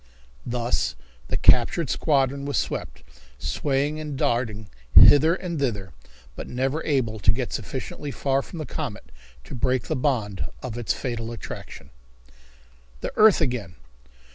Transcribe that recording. Thus the captured squadron was swept, swaying and darting hither and thither, but never able to get sufficiently far from the comet to break the bond of its fatal attraction. The Earth Again!